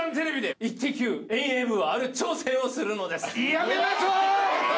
やめましょう！